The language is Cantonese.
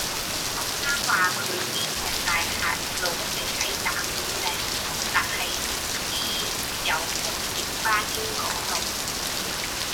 學生話佢知石寨下路係喺打鼓嶺，但係唔知有冇小巴經嗰度